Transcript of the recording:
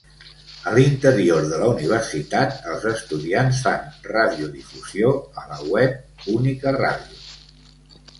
A l'interior de la universitat els estudiants fan radiodifusió a la web Única Ràdio.